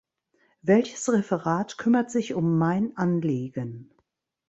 Welches Referat kümmert sich um mein Anliegen?